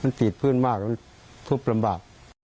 มันติดพื้นมากมันทุบลำบาก